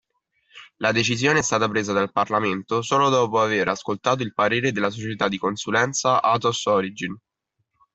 La decisione è stata presa dal Parlamento solo dopo aver ascoltato il parere della società di consulenza Atos Origin.